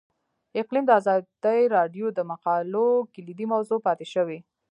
اقلیم د ازادي راډیو د مقالو کلیدي موضوع پاتې شوی.